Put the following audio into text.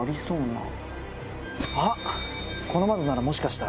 あっこの窓ならもしかしたら。